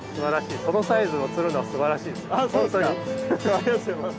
ありがとうございます。